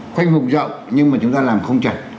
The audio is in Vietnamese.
khoanh vùng rộng nhưng mà chúng ta làm không chuẩn